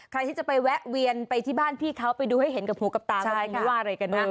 ใครที่จะไปแวะเวียนไปที่บ้านพี่เขาไปดูให้เห็นกับหูกับตาว่าเขาว่าอะไรกันบ้าง